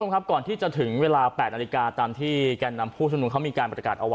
คุณผู้ชมครับก่อนที่จะถึงเวลา๘นาฬิกาตามที่แก่นำผู้ชมนุมเขามีการประกาศเอาไว้